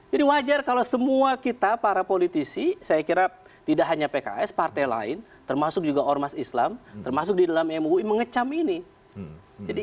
jadi wajar kalau semua kita para politisi saya kira tidak hanya pks partai lain termasuk juga ormas islam termasuk di dalam mui mengecam ini